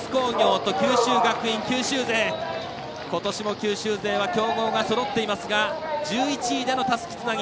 九州勢は強豪がそろっていますが１１位でのたすきつなぎ。